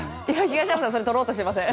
東山さんそれとろうとしていません？